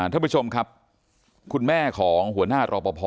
ท่านผู้ชมครับคุณแม่ของหัวหน้ารอปภ